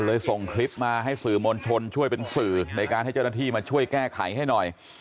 ส่งคลิปมาให้สื่อมวลชนช่วยเป็นสื่อในการให้เจ้าหน้าที่มาช่วยแก้ไขให้หน่อย